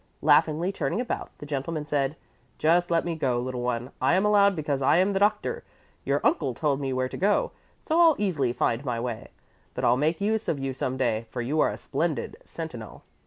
Laughingly turning about, the gentleman said, "Just let me go, little one. I am allowed because I am the doctor. Your uncle told me where to go, so I'll easily find my way. But I'll make use of you some day, for you are a splendid sentinel."